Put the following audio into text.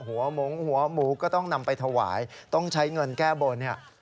หัวหมูก็ต้องนำไปถวายต้องใช้เงินแก้บน